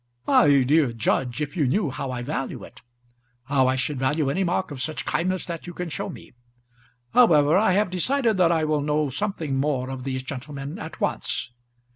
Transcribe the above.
"My dear judge, if you knew how I value it; how I should value any mark of such kindness that you can show me! However I have decided that I will know something more of these gentlemen at once.